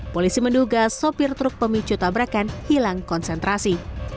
polisi menduga sopir truk pemicu tabrakan hilang konsentrasi